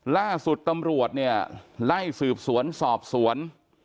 ล่าสุดตำรวจเนี่ยไล่สืบสวนสอบสวน